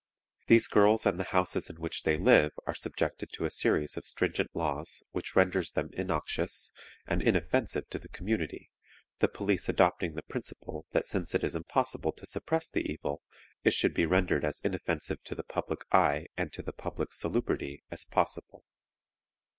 These girls and the houses in which they live are subjected to a series of stringent laws which renders them innoxious and inoffensive to the community, the police adopting the principle that since it is impossible to suppress the evil, it should be rendered as inoffensive to the public eye and to the public salubrity as possible.